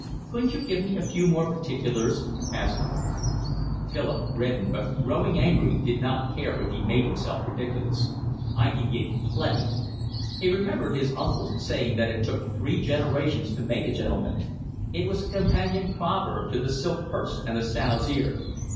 "Couldn't you give me a few more particulars?" asked Weeks. Philip reddened, but, growing angry, did not care if he made himself ridiculous. "I can give you plenty." He remembered his uncle's saying that it took three generations to make a gentleman: it was a companion proverb to the silk purse and the sow's ear.